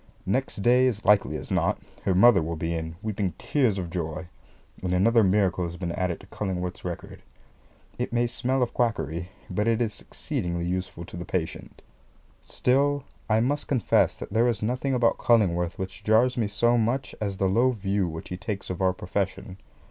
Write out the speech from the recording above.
Next day, as likely as not, her mother will be in, weeping tears of joy; and another miracle has been added to Cullingworth's record. It may smell of quackery, but it is exceedingly useful to the patient. Still I must confess that there is nothing about Cullingworth which jars me so much as the low view which he takes of our profession.